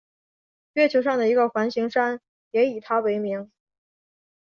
月球上的一个环形山也以他为名。